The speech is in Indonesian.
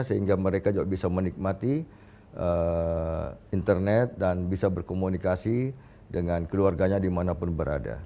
sehingga mereka juga bisa menikmati internet dan bisa berkomunikasi dengan keluarganya dimanapun berada